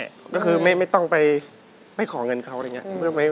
กับพ่อแม่ก็คือไม่ต้องไปขอเงินเขาอะไรอย่างนี้